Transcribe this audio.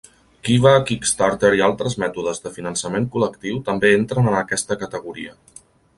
Kiva, Kickstarter i altres mètodes de finançament col·lectiu també entren en aquesta categoria.